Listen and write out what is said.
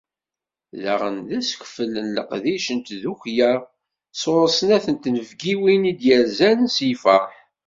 Daɣen d asekfel n leqdic n tddukkla sɣur snat n tnebgiwin i d-yerzan s lferḥ.